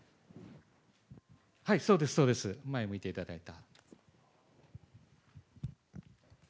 そうです、そうです、前向いていただいた。